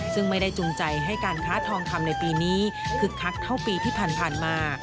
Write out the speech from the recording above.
ซึ่งไม่ได้จูงใจให้การค้าทองคำในปีนี้คึกคักเท่าปีที่ผ่านมา